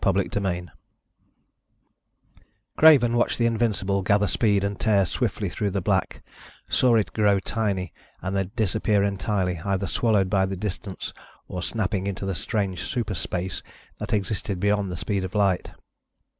CHAPTER NINETEEN Craven watched the Invincible gather speed and tear swiftly through the black, saw it grow tiny and then disappear entirely, either swallowed by the distance or snapping into the strange super space that existed beyond the speed of light.